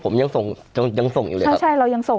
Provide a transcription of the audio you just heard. ผมยังส่งยังยังส่งอยู่เลยใช่เรายังส่ง